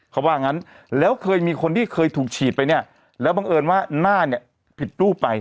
เขาว่างั้นแล้วเคยมีคนที่เคยถูกฉีดไปเนี่ยแล้วบังเอิญว่าหน้าเนี่ยผิดรูปไป